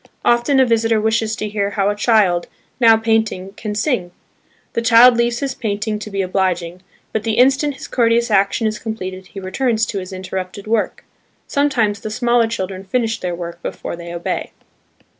Often a visitor wishes to hear how a child, now painting, can sing. The child leaves his painting to be obliging, but the instant his courteous action is completed, he returns to his interrupted work. Sometimes the smaller children finish their work before they obey.